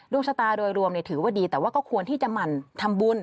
ชะตาโดยรวมถือว่าดีแต่ว่าก็ควรที่จะหมั่นทำบุญ